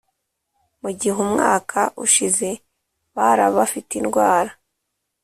mu gihe umwaka ushize bari Abafite indwara